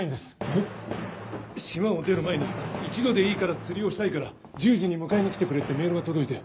えっ⁉島を出る前に一度でいいから釣りをしたいから１０時に迎えに来てくれってメールが届いて。